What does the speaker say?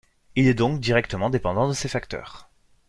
Il est donc directement dépendant de ces facteurs.